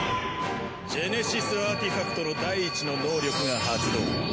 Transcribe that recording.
ジェネシスアーティファクトの第１の能力が発動。